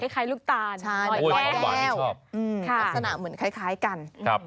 คล้ายลูกตาลแก้วลักษณะเหมือนคล้ายกัน